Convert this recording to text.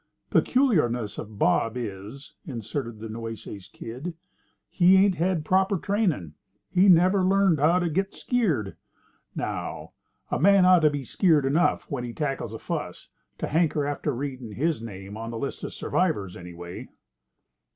"Peculiarness of Bob is," inserted the Nueces Kid, "he ain't had proper trainin'. He never learned how to git skeered. Now, a man ought to be skeered enough when he tackles a fuss to hanker after readin' his name on the list of survivors, anyway."